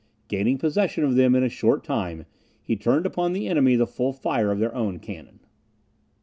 Gaining possession of them in a short time, he turned upon the enemy the full fire of their own cannon.